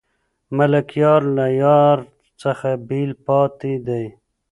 ملکیار له یار څخه بېل پاتې دی.